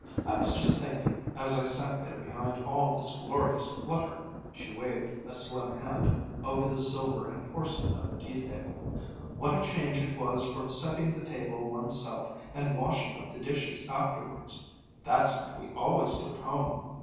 I was just thinking, as I sat there behind all this glorious clutter," she waved a slim hand over the silver and porcelain of the tea table, "what a change it was from setting the table one's self and washing up the dishes afterwards. That's what we always do at home.